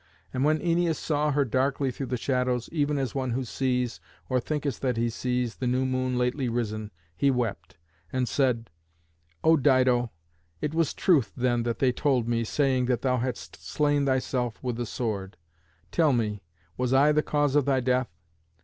And when Æneas saw her darkly through the shadows, even as one who sees, or thinketh that he sees, the new moon lately risen, he wept, and said, "O Dido, it was truth, then, that they told me, saying that thou hadst slain thyself with the sword. Tell me, Was I the cause of thy death?